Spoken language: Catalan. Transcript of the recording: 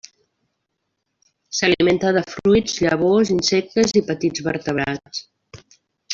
S'alimenta de fruits, llavors, insectes i petits vertebrats.